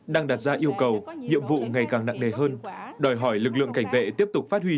đang đặt ra yêu cầu nhiệm vụ ngày càng nặng nề hơn đòi hỏi lực lượng cảnh vệ tiếp tục phát huy